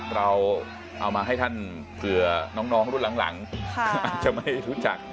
เราเอามาให้ท่านเผื่อน้องรุ่นหลังอาจจะไม่รู้จัก